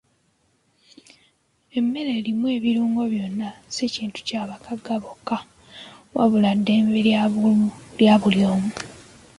Emmere erimu ebirungo byonna si kintu eky'abagagga bokka wabula ddembe lya buli omu.